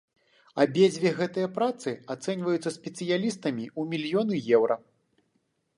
Абедзве гэтыя працы ацэньваюцца спецыялістамі ў мільёны еўра.